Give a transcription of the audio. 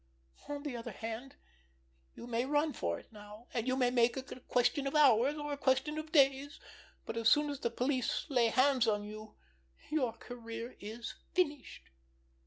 On the other hand, you may run for it now, and you may make it a question of hours, or a question of days, but as soon as the police lay hands on you your career is finished."